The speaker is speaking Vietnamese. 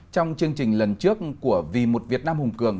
trong chương trình lần trước của vì một việt nam hùng cường